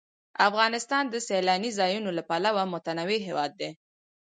افغانستان د سیلاني ځایونو له پلوه متنوع هېواد دی.